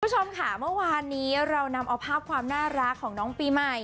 คุณผู้ชมค่ะเมื่อวานนี้เรานำเอาภาพความน่ารักของน้องปีใหม่